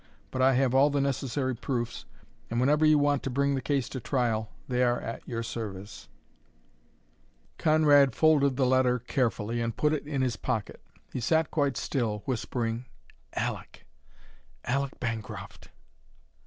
But I have all the necessary proofs, and whenever you want to bring the case to trial they are at your service." Conrad folded the letter carefully, and put it in his pocket. He sat quite still, whispering "Aleck! Aleck Bancroft!"